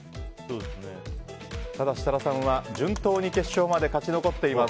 ただ設楽さんは順当に決勝まで勝ち残っています。